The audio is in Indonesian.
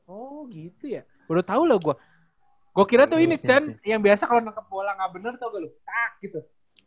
oh gitu ya udah tau lah gue gue kira tuh ini chen yang biasa kalau menangkap bola gak bener tau gak lu tak gitu